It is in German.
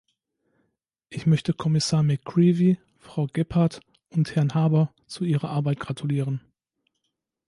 Ich möchte Kommissar McCreevy, Frau Gebhardt und Herrn Harbour zu ihrer Arbeit gratulieren.